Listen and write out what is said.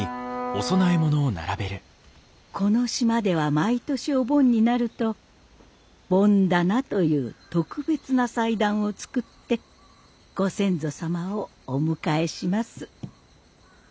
この島では毎年お盆になると盆棚という特別な祭壇を作ってご先祖様をお迎えします。